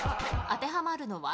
当てはまるのは？